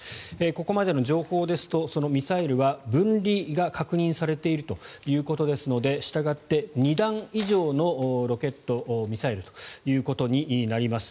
ここまでの情報ですとそのミサイルは分離が確認されているということですのでしたがって２段以上のロケットミサイルということになります。